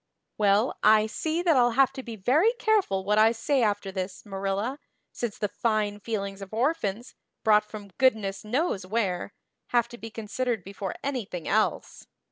"Well, I see that I'll have to be very careful what I say after this, Marilla, since the fine feelings of orphans, brought from goodness knows where, have to be considered before anything else.